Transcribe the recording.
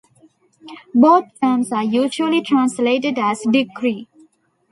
Both terms are usually translated as "decree".